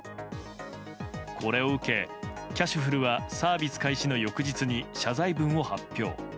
これを受け、キャシュふるはサービス開始の翌日に謝罪文を発表。